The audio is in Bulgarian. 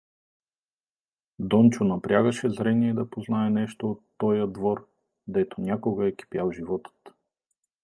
Дончо напрягаше зрение да познае нещо от тоя двор, дето някога е кипял животът.